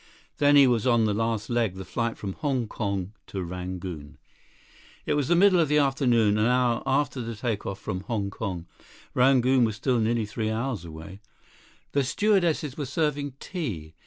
Then he was on the last leg—the flight from Hong Kong to Rangoon. It was the middle of the afternoon, an hour after the take off from Hong Kong. Rangoon was still nearly three hours away. The stewardesses were serving tea.